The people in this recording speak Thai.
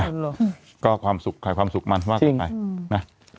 อ่ะก็ความสุขความสุขมันมากนะ